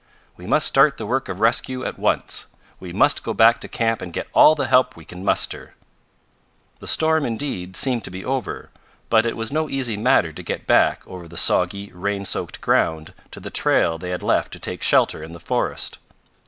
We must start the work of rescue at once. We must go back to camp and get all the help we can muster." The storm, indeed, seemed to be over, but it was no easy matter to get back over the soggy, rain soaked ground to the trail they had left to take shelter in the forest.